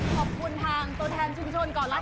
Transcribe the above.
ขอบคุณทางตัวแทนชุมชนก่อนละกัน